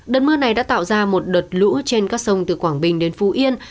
đợt mưa này đã tạo ra một đợt lũ trên các sông từ quảng bình đến phú yên